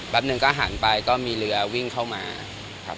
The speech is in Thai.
แป๊บหนึ่งก็หันไปก็มีเรือวิ่งเข้ามา